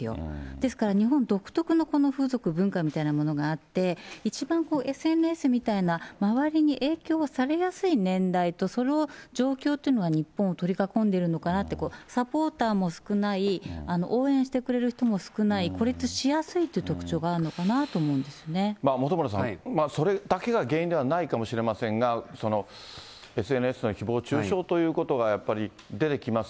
ですから日本独特のこの風俗、文化みたいなものがあって、一番ＳＮＳみたいな、周りに影響されやすい年代と、その状況というのが日本を取り囲んでいるのかなと、サポーターも少ない、応援してくれる人も少ない、孤立しやすいという特徴があるのかな本村さん、それだけが原因ではないかもしれませんが、ＳＮＳのひぼう中傷ということがやっぱり出てきます。